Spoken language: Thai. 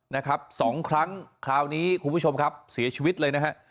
นะครับสองครั้งคราวนี้คุณผู้ชมครับเสียชีวิตเลยนะฮะ